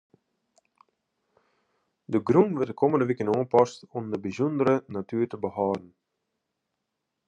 De grûn wurdt de kommende wiken oanpast om de bysûndere natoer te behâlden.